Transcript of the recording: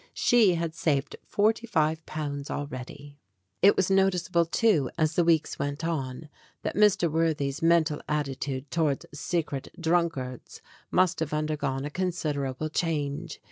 She had saved forty five pounds already. It was noticeable, too, as the weeks went on, that Mr. Worthy's mental attitude towards secret drunk ards must have undergone a considerable change.